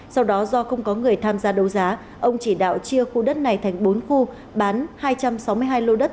sau đó do không có người tham gia đấu giá ông chỉ đạo chia khu đất này thành bốn khu bán hai trăm sáu mươi hai lô đất